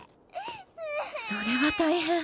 それは大変。